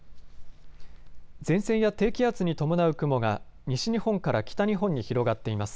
前線や低気圧に伴う雲が西日本から北日本に広がっています。